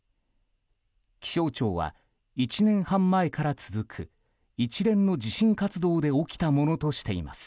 気象庁は１年半前から続く一連の地震活動で起きたものとしています。